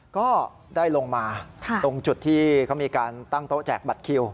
ก็ได้ลงมาตรงจุดที่เขามีการตั้งโต๊ะแจกบัตรคิว